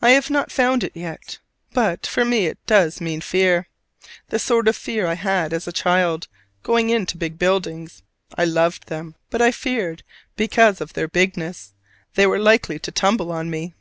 I have not found it yet: but, for me, it does mean fear, the sort of fear I had as a child going into big buildings. I loved them: but I feared, because of their bigness, they were likely to tumble on me.